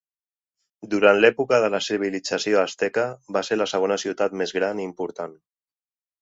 Durant l'època de la civilització asteca, va ser la segona ciutat més gran i important.